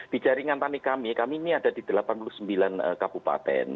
di jaringan tani kami kami ini ada di delapan puluh sembilan kabupaten